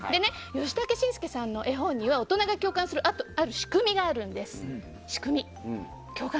ヨシタケシンスケさんの絵本には大人が共感するある仕組みがあるんです。